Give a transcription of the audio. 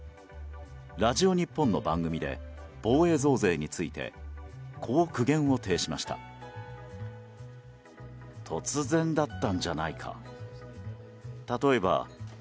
ラジオ日本の番組で防衛増税についてこう苦言を呈しました。